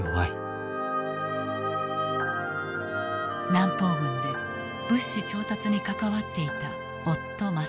南方軍で物資調達に関わっていた夫政春。